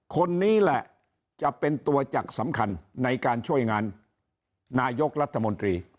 คนนี้แหละจะเป็นตัวจักรสำคัญในการช่วยงานนายกรัฐมนตรี